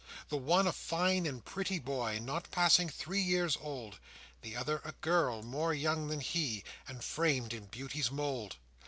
The one a fine and pretty boy Not passing three years old, The other a girl more young than he, And framed in beauty's mould.